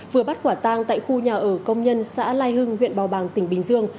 vừa bắt quả tang tại khu nhà ở công nhân xã lai hưng huyện bào bàng tỉnh bình dương